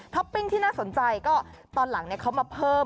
ปปิ้งที่น่าสนใจก็ตอนหลังเขามาเพิ่ม